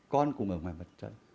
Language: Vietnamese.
con cũng ở ngoài mặt trận